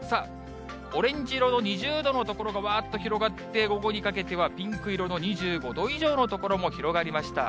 オレンジ色の２０度の所がわーっと広がって、午後にかけてはピンク色の２５度以上の所も広がりました。